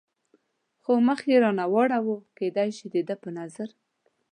خو مخ یې را نه واړاوه، کېدای شي د ده په نظر.